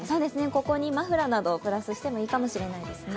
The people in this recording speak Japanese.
ここにマフラーなどをプラスしてもいいかもしれないですね。